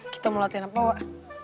kita mau latihan apa enggak